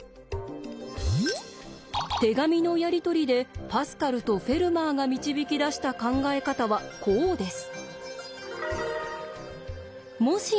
手紙のやり取りでパスカルとフェルマーが導き出した考え方はこうです。